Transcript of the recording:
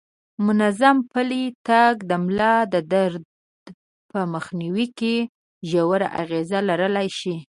منظم پلی تګ د ملا د درد په مخنیوي کې ژور اغیز لرلی شي.